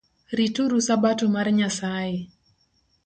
Rituru sabato mar Nyasaye